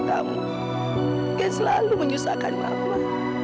kak faudo kakak selalu menyusahkan mama